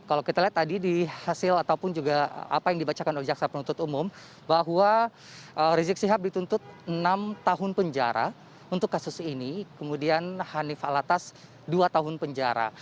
kalau kita lihat tadi di hasil ataupun juga apa yang dibacakan oleh jaksa penuntut umum bahwa rizik sihab dituntut enam tahun penjara untuk kasus ini kemudian hanif alatas dua tahun penjara